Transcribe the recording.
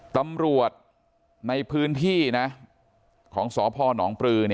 ตำรวจในพื้นที่นะของสพนปลือ